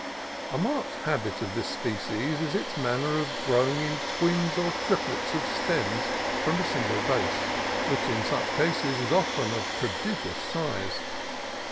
A marked habit of the species is its manner of growing in twins or triplets of stems from a single base, which in such cases is often of prodi gious size.